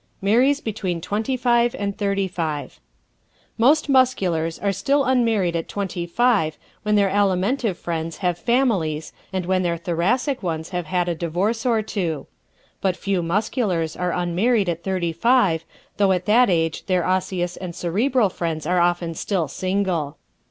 Marries Between Twenty five and Thirty five ¶ Most Musculars are still unmarried at twenty five when their Alimentive friends have families and when their Thoracic ones have had a divorce or two. But few Musculars are unmarried at thirty five, though at that age their Osseous and Cerebral friends are often still single.